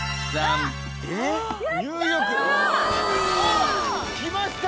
あっきました